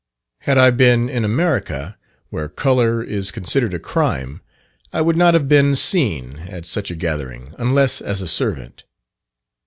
Had I been in America, where colour is considered a crime, I would not have been seen at such a gathering, unless as a servant.